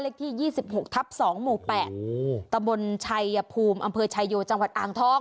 เลขที่๒๖ทับ๒หมู่๘ตะบนชัยภูมิอำเภอชายโยจังหวัดอ่างทอง